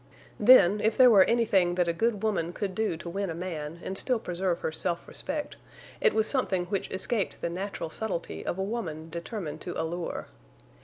Then, if there were anything that a good woman could do to win a man and still preserve her self respect, it was something which escaped the natural subtlety of a woman determined to allure.